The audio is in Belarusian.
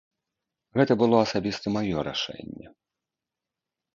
Гэта было асабіста маё рашэнне.